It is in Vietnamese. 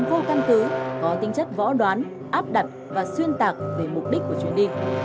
vô căn cứ có tính chất võ đoán áp đặt và xuyên tạc về mục đích của chuyến đi